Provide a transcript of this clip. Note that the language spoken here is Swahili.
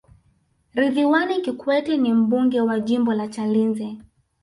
ridhwan kikwete ni mbunge wa jimbo la chalinze